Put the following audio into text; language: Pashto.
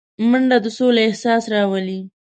منډه د سولې احساس راولي